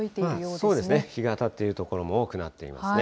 そうですね、日が当たっている所も多くなっていますね。